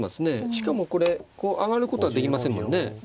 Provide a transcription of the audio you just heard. しかもこれこう上がることはできませんもんね。